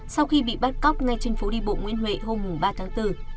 sau khi bị bắt cóc ngay trên phố đi bộ nguyễn huệ hôm ba tháng bốn